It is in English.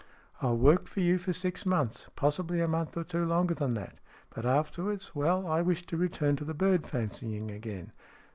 " I will work for you for six months possibly a month or two longer than that. But, afterwards, well, I wish to return to the bird fancying again."